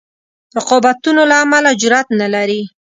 رقابتونو له امله جرأت نه لري.